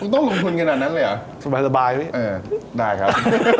ต้องลงทุนขนาดนั้นเลยเหรอสบายเออได้ครับ